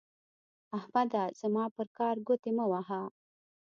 احمده زما پر کار ګوتې مه وهه.